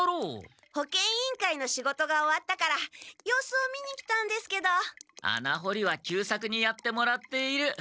保健委員会の仕事が終わったから様子を見に来たんですけど。穴掘りは久作にやってもらっている。